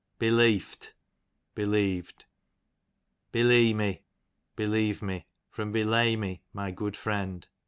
Beleeft, believed. Beleemy, believe ine; from belamy, my good friend.